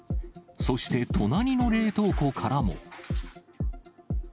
そして、隣の冷凍庫からも。